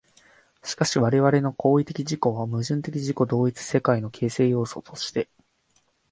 しかし我々の行為的自己は、矛盾的自己同一的世界の形成要素として、